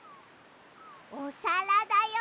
おさらだよ！